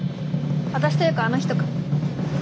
私というかあの人か。